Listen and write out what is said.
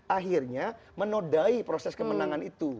akhirnya menodai proses kemenangan itu